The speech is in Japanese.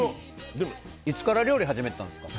いつから料理始めたんですか。